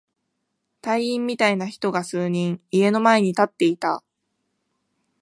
隊員みたいな人が数人、家の前に立っていた。